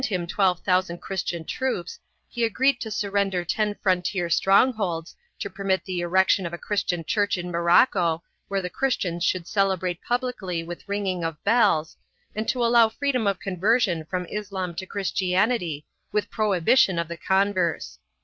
II] THE MULADfES 49 twelve thousand Christian troops, he agreed to surrender ten frontier strongholds, to permit the erection of a Christian church in Morocco, where the Christians should celebrate pub licly with ringing of bells, and to allow freedom of conversion from Islam to Christianity, with prohibition of the converse.